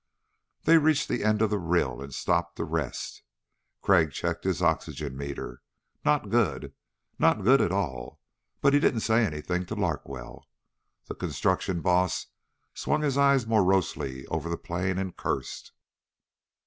They reached the end of the rill and stopped to rest. Crag checked his oxygen meter. Not good. Not good at all, but he didn't say anything to Larkwell. The construction boss swung his eyes morosely over the plain and cursed.